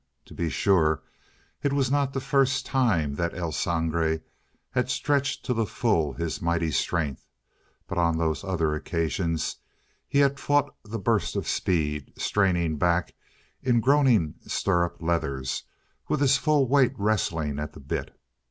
To be sure, it was not the first time that El Sangre had stretched to the full his mighty strength, but on those other occasions he had fought the burst of speed, straining back in groaning stirrup leathers, with his full weight wresting at the bit.